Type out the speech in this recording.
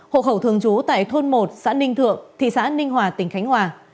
hộ khẩu thường trú tại thôn một xã ninh thượng thị xã ninh hòa tỉnh khánh hòa